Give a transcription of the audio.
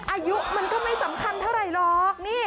อายุมันก็ไม่สำคัญเท่าไหร่หรอก